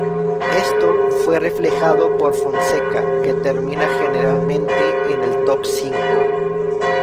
Esto fue reflejado por Fonseca que termina generalmente en el top cinco.